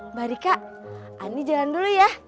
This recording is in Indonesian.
mbak rika ani jalan dulu ya